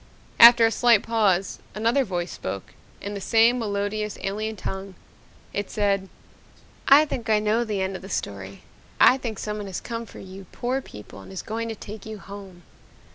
After a slight pause another voice spoke in the same melodious, alien tongue! It said, "I think I know the end of the story. I think someone has come for you poor people and is going to take you home."